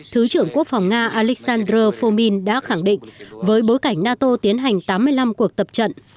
thứ trưởng quốc phòng nga alexander formin đã khẳng định với bối cảnh nato tiến hành tám mươi năm cuộc tập trận